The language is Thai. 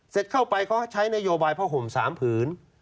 เสร็จเข้าไปเขาใช้นโยบายผ้าห่ม๓ผืน